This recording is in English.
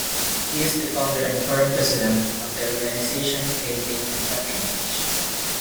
He is the founder and current president of the organisation Painting and Patronage.